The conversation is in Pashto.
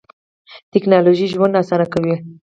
تکنالوژي ژوند آسانه کوي.